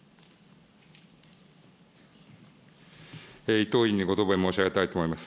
伊藤委員にご答弁申し上げたいと思います。